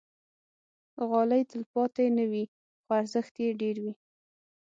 غالۍ تل تلپاتې نه وي، خو ارزښت یې ډېر وي.